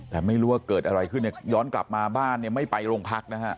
แต่ไม่รู้ว่าเกิดอะไรขึ้นเนี่ยย้อนกลับมาบ้านเนี่ยไม่ไปโรงพักนะฮะ